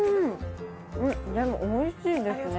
でもおいしいですね。